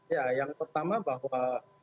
ya yang pertama bahwa